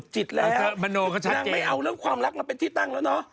จิ๊ดรับอาหนาวค์ร้อยมากมาเป็นที่นั่งแล้วนอ